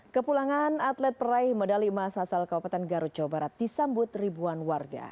kepulangan atlet peraih medali emas asal kabupaten garut jawa barat disambut ribuan warga